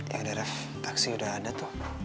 ya udah ref taksi udah ada tuh